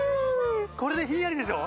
これでひんやりでしょ？